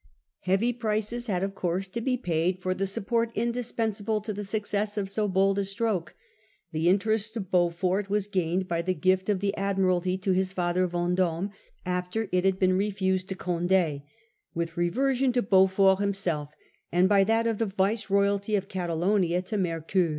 Heavy prices had of course to be paid for the support indispensable to the success of so bold a stroke. The interest of Beaufort was gained by the gift of the admiralty to his father Venddme, after it had been refused to Cond£, with reversion to Beaufort himself, and by that of the viceroyalty of Cata lonia to Mercoeur.